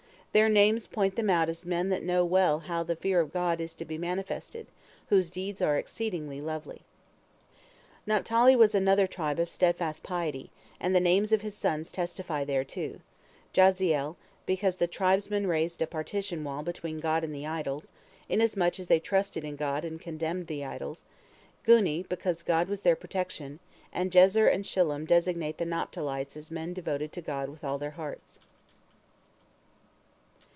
Their names point them out as men that know well how the fear of God is to be manifested, whose deeds are exceedingly lovely. Naphtali was another tribe of steadfast piety, and the names of his sons testify thereto: Jahzeel, because the tribesmen raised a "partition wall" between God and the idols, inasmuch as they trusted in God and contemned the idols; Guni, because God was their "protection"; and Jezer and Shillem designate the Naphtalites as men devoted to God with all their hearts.